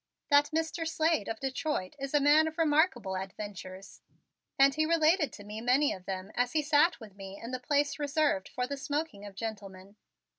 That Mr. Slade of Detroit is a man of remarkable adventures, and he related to me many of them as he sat with me in the place reserved for the smoking of gentlemen.